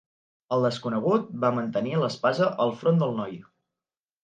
El desconegut va mantenir l'espasa al front del noi.